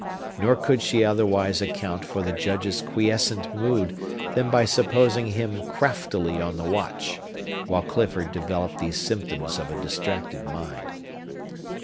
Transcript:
Nor could she otherwise account for the Judge's quiescent mood than by supposing him craftily on the watch, while Clifford developed these symptoms of a distracted mind.